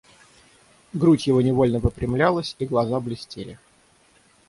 Грудь его невольно выпрямлялась, и глаза блестели.